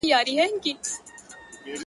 بېګانه به ورته ټول خپل او پردي سي,